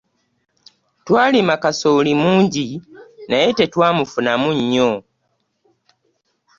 Twalima kasooli mungi naye tetwamufunamu nnyo.